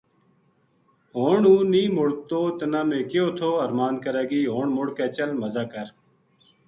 ہن ہوں نہیہ مڑتو تنا میں کہیو تھو ارماند کرے گی ہن مڑ کے چل مزا کر